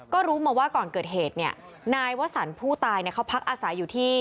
ก็รู้มาว่าก่อนเกิดเหตุเนี่ยนายวสันผู้ตายเขาพักอาศัยอยู่ที่